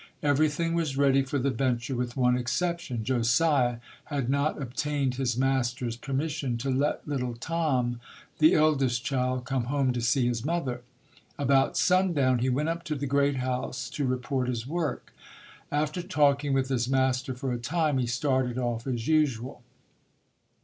Everything was ready for the venture with one exception Josiah had not obtained his master's permission to let little Tom, the eldest child, come home to see his mother. About sundown, he went up to the great house to report his work. After talking with his master for a time he started off as usual.